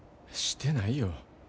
してないよ。